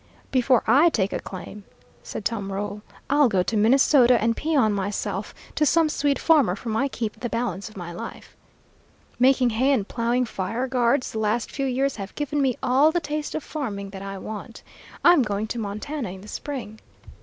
"Before I take a claim," said Tom Roll, "I'll go to Minnesota and peon myself to some Swede farmer for my keep the balance of my life. Making hay and plowing fire guards the last few years have given me all the taste of farming that I want. I'm going to Montana in the spring."